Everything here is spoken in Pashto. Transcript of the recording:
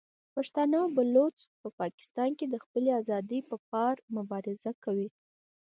پښتانه او بلوڅ په پاکستان کې د خپلې ازادۍ په پار مبارزه کوي.